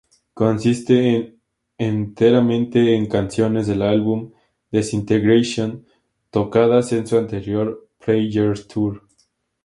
Consiste enteramente en canciones del álbum "Disintegration" tocadas en su anterior "Prayer Tour".